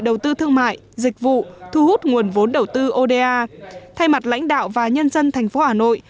đầu tư thương mại dịch vụ thu hút nguồn vốn đầu tư oda thay mặt lãnh đạo và nhân dân tp hà nội